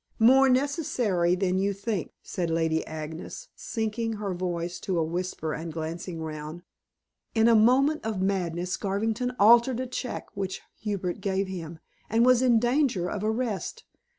"More necessary than you think," said Lady Agnes, sinking her voice to a whisper and glancing round, "In a moment of madness Garvington altered a check which Hubert gave him, and was in danger of arrest.